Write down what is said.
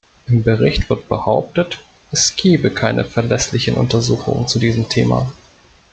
Im Bericht wird behauptet, es gebe keine verlässlichen Untersuchungen zu diesem Thema.